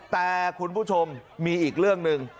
แต่คุณผู้ชมมีอีกเรื่องหนึ่ง